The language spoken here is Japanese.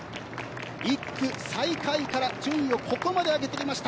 １区、最下位から順位をここまで上げてきました。